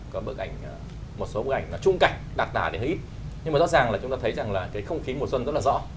có bức ảnh một số bức ảnh nó trung cảnh đặc tả thì hơi ít nhưng mà rõ ràng là chúng ta thấy rằng là cái không khí mùa xuân rất là rõ